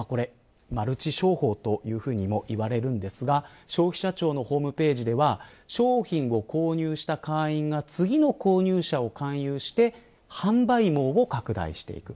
マルチ商法というふうにも言われるんですが消費者庁のホームページでは商品を購入した会員が次の購入者を勧誘し販売網を拡大していく。